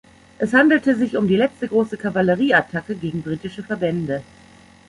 Es handelte sich um die letzte große Kavallerieattacke gegen britische Verbände.